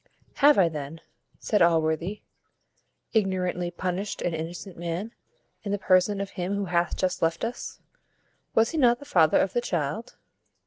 "Have I then," said Allworthy, "ignorantly punished an innocent man, in the person of him who hath just left us? Was he not the father of the child?"